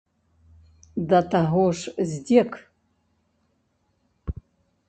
Да таго ж здзек!